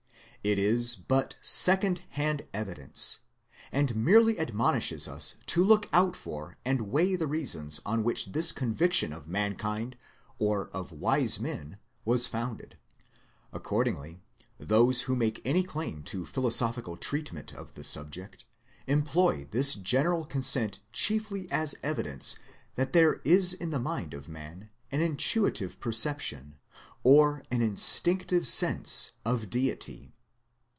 It is but second hand evidence; and merely admonishes us to look out for and weigh the reasons on which this con viction of mankind or of wise men was founded. Accordingly, those who make any claim to philo sophic treatment of the subject, employ this general consent chiefly as evidence that there is in the mind of man an intuitive perception, or an instinctive sense, of Deity.